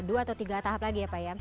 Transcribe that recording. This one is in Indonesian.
dua atau tiga tahap lagi ya pak ya